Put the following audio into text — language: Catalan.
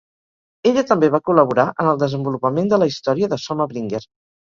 Ella també va col·laborar en el desenvolupament de la història de "Soma Bringer".